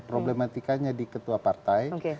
problematikanya di ketua partai